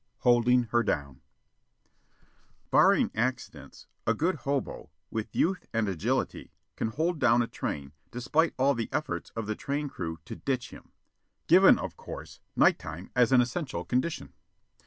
HOLDING HER DOWN Barring accidents, a good hobo, with youth and agility, can hold a train down despite all the efforts of the train crew to "ditch" him given, of course, night time as an essential condition.